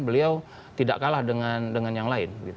beliau tidak kalah dengan yang lain